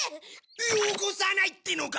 よこさないってのか！